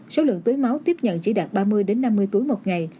số lượng túi máu tiếp nhận chỉ đạt ba mươi năm mươi túi một ngày